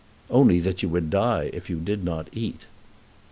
"Only that you would die if you did not eat."